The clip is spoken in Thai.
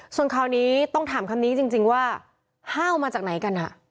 ส่วนข่าวนี้ต้องถามคำนี้จริงว่าห้าวมาจากไหนกัน